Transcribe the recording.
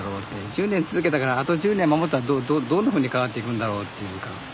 １０年続けたからあと１０年守ったらどんなふうに変わっていくんだろうっていうか。